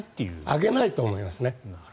上げないと思いますね。